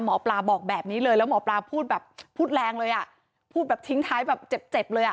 หมอปลาบอกแบบนี้เลยแล้วหมอปลาพูดแบบพูดแรงเลยอ่ะพูดแบบทิ้งท้ายแบบเจ็บเจ็บเลยอ่ะ